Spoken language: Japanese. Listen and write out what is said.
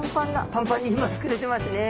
パンパンに今膨れてますね。